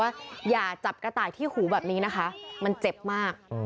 ว่าอย่าจับกระต่ายที่หูแบบนี้นะคะมันเจ็บมาก